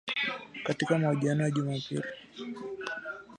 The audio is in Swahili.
Katika mahojiano ya Jumapili